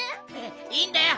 いいんだよ